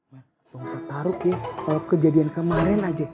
ma jangan taruh ya kalau kejadian kemarin aja